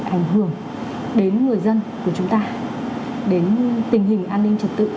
ảnh hưởng đến người dân của chúng ta đến tình hình an ninh trật tự